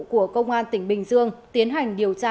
của công an tỉnh bình dương tiến hành điều tra